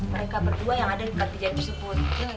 mereka berdua yang ada di dekat kejadian tersebut